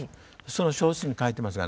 その小説に書いてますが。